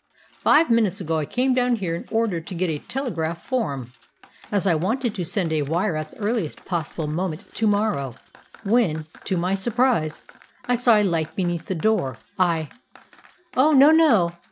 Five minutes ago I came down here in order to get a telegraph form, as I wanted to send a wire at the earliest possible moment to morrow, when, to my surprise, I saw a light beneath the door. I " "Oh, no, no!"